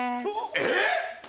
えっ！？